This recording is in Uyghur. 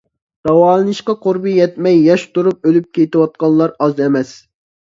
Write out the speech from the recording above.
داۋالىنىشقا قۇربى يەتمەي ياش تۇرۇپ ئۆلۈپ كېتىۋاتقانلار ئاز ئەمەس.